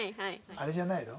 あれじゃないの？